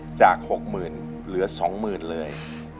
อโธเชษนจาก๖๐๐๐๐เหลือ๒๐๐๐๐เลย